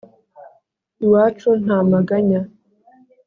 Iwacu nta maganya